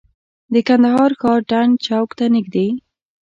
د کندهار ښار ډنډ چوک ته نږدې.